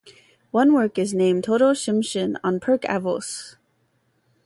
One work is named "Toldos Shimshon on Pirke Avos".